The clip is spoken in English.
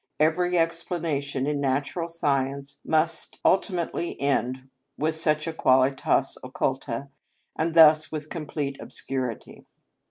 Every explanation in natural science must ultimately end with such a qualitas occulta, and thus with complete obscurity.